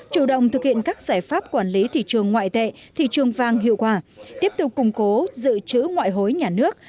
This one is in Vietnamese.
chủ động thực hiện các giải pháp quản lý thị trường ngoại tệ thị trường vang hiệu quả tiếp tục củng cố giữ chữ ngoại hối nhà nước